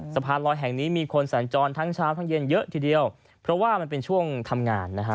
สะพานลอยแห่งนี้มีคนสัญจรทั้งเช้าทั้งเย็นเยอะทีเดียวเพราะว่ามันเป็นช่วงทำงานนะฮะ